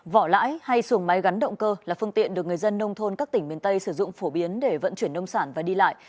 vỏ lãi hay xuồng máy gắn động cơ là phương tiện được người dân nông thôn các tỉnh miền tây sử dụng phổ biến để vận chuyển nông sản và đi lại